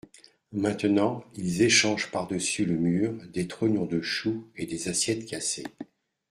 Maintenant ils échangent par-dessus le mur des trognons de chou et des assiettes cassées.